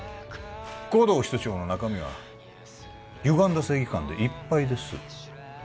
護道室長の中身はゆがんだ正義感でいっぱいです